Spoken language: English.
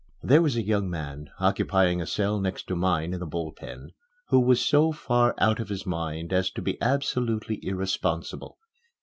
There was a young man, occupying a cell next to mine in the Bull Pen, who was so far out of his mind as to be absolutely irresponsible.